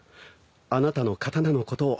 あなたの刀のことを。